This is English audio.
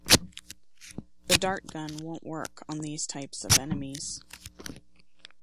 The dart gun won't work on these types of enemies.